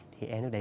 thì em lúc đấy